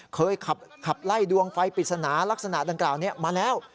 เคยขับไล่ดวงไฟปริศนาลักษณะดังกล่าวนี้มาแล้ว